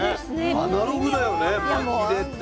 アナログだよねまきでって。